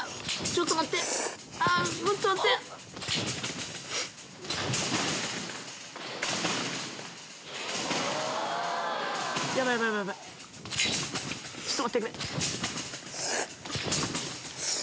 ちょっと待ってくれ。